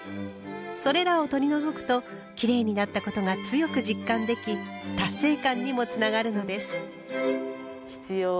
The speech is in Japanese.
それらを取り除くときれいになったことが強く実感でき達成感にもつながるのです。